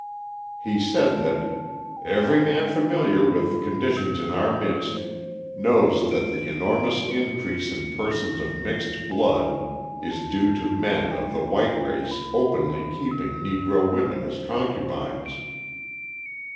He said that "every man familiar with conditions in our midst knows that the enormous increase in persons of mixed blood is due to men of the white race openly keeping Negro women as concubines."